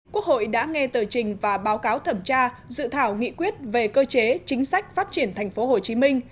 quốc hội đã nghe tờ trình và báo cáo thẩm tra dự thảo nghị quyết về cơ chế chính sách phát triển thành phố hồ chí minh